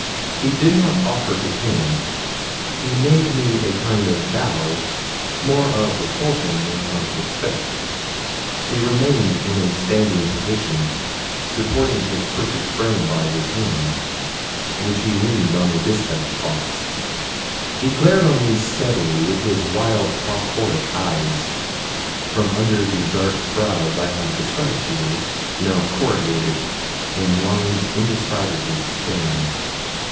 He did not offer his hand; he made me a kind of bow, more of repulsion than of respect. He remained in a standing position, supporting his crooked frame by his hand, which he leaned on a despatch box; he glared on me steadily with his wild phosphoric eyes, from under the dark brows I have described to you, now corrugated in lines indescribably stern.